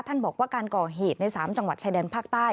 ท่านบอกว่าการก่อเหตุใน๓จังหวัดชายแดนภาคใต้